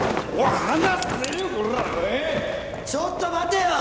ちょっと待てよ！